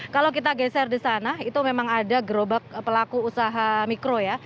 kalau kita geser di sana itu memang ada gerobak pelaku usaha mikro ya